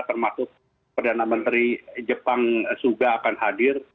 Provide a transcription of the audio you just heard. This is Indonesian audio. termasuk perdana menteri jepang suga akan hadir